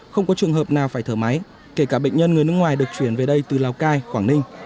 không có trường hợp nào phải thở máy kể cả bệnh nhân người nước ngoài được chuyển về đây từ lào cai quảng ninh